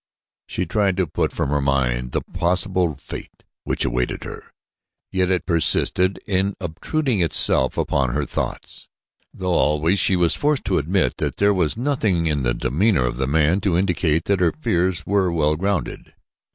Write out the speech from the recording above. She tried to put from her mind the probable fate which awaited her, yet it persisted in obtruding itself upon her thoughts, though always she was forced to admit that there was nothing in the demeanor of the man to indicate that her fears were well grounded.